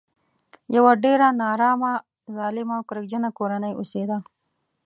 یوه ډېره نارامه ظالمه او کرکجنه کورنۍ اوسېده.